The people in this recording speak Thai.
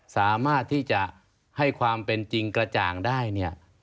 สามารถที่จะให้ความเป็นจริงกระจ่างได้เนี่ย